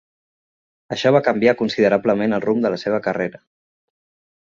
Això va canviar considerablement el rumb de la seva carrera.